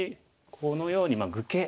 このように愚形。